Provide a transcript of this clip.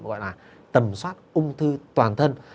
gọi là tầm soát ung thư toàn thân